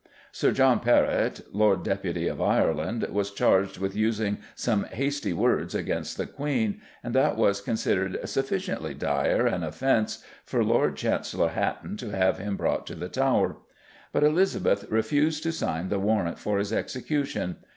Sir John Perrot, Lord Deputy of Ireland, was charged with using some hasty words against the Queen, and that was considered sufficiently dire an offence for Lord Chancellor Hatton to have him brought to the Tower. But Elizabeth refused to sign the warrant for his execution.